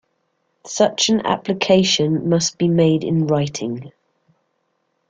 Such an application must be made in writing.